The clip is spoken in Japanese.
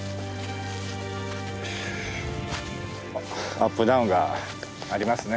アップダウンがありますね